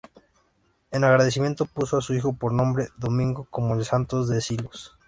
En agradecimiento, puso a su hijo por nombre Domingo, como el santo de Silos.